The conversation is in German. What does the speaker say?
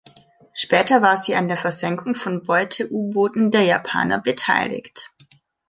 Später war sie an der Versenkung von Beute-U-Booten der Japaner beteiligt.